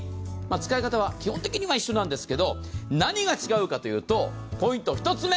使い方は基本的には一緒なんですけれども、何が違うかというとポイント１つ目。